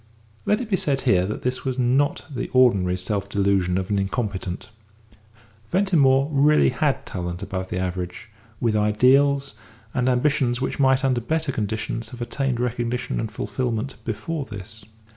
Let it be said here that this was not the ordinary self delusion of an incompetent. Ventimore really had talent above the average, with ideals and ambitions which might under better conditions have attained recognition and fulfilment before this.